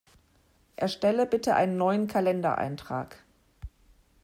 Erstelle bitte einen neuen Kalendereintrag!